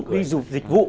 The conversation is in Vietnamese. chụp đi dụp dịch vụ